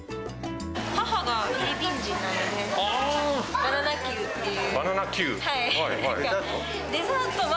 母がフィリピン人なので、バナナキューっていう。